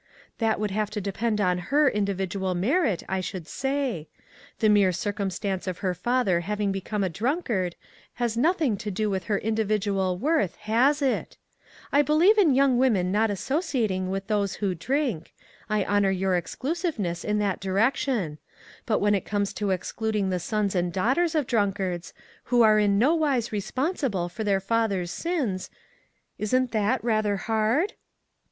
" That would have to depend on her in dividual merit, I should say. The mere cir cumstance of her father having become a drunkard has nothing to do with her in dividual worth, has it ? I believe in young SOCIETY CIRCLES. 85 women not associating with those who drink. I honor your exclusiveness in that direction ; but when it comes to excluding the sons and daughters of drunkards, who are in no wise responsible for their father's sins, isn't that rather hard?"